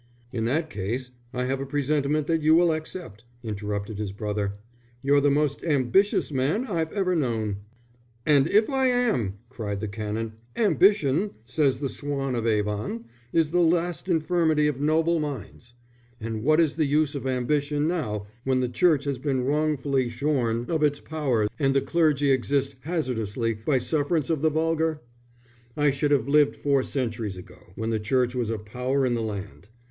"In that case I have a presentiment that you will accept," interrupted his brother. "You're the most ambitious man I've ever known." "And if I am!" cried the Canon. "Ambition, says the Swan of Avon, is the last infirmity of noble minds. But what is the use of ambition now, when the Church has been wrongfully shorn of its power, and the clergy exist hazardously by sufferance of the vulgar? I should have lived four centuries ago, when the Church was a power in the land.